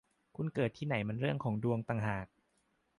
คุณเกิดที่ไหนมันเป็นเรื่องของดวงต่างหาก